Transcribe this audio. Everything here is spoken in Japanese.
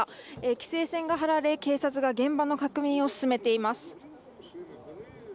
規制線が張られ警察が現場の確認を進めています。